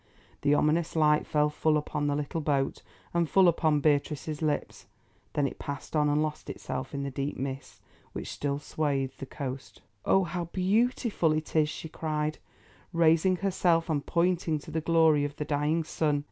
The ominous light fell full upon the little boat and full upon Beatrice's lips. Then it passed on and lost itself in the deep mists which still swathed the coast. "Oh, how beautiful it is!" she cried, raising herself and pointing to the glory of the dying sun.